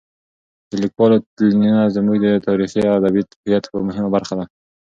د لیکوالو تلینونه زموږ د تاریخي او ادبي هویت یوه مهمه برخه ده.